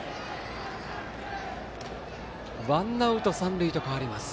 ワンアウト三塁と変わります。